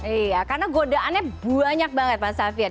iya karena godaannya banyak banget pak safir